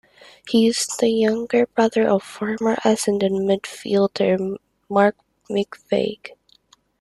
He is the younger brother of former Essendon midfielder Mark McVeigh.